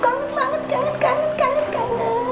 pertama gede rekamunya